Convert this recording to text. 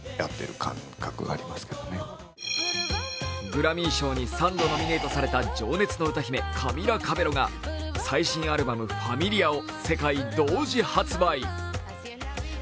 グラミー賞に３度ノミネートされた情熱の歌姫カミラ・カベロが最新アルバム「Ｆａｍｉｌｉａ」を世界同時発売。